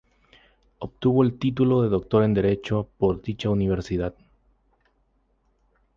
Obtuvo el título de Doctor en Derecho por dicha Universidad.